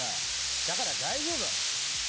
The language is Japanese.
だから、大丈夫。